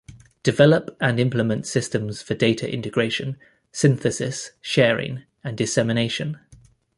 Develop and implement systems for data integration, synthesis, sharing, and dissemination.